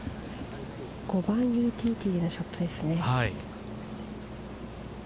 ５番ユーティリティーでのショットです。